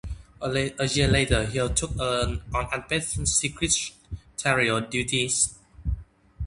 A year later Hill took on unpaid secretarial duties.